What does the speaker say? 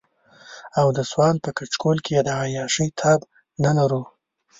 او د سوال په کچکول کې د عياشۍ تاب نه لرو.